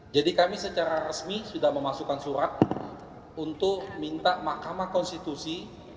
jadi kami secara resmi sudah memasukkan surat untuk minta mahkamah konstitusi